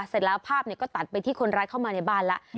เสร็จแล้วภาพก็ตัดไปที่คนร้ายเข้ามาในบ้านแล้ว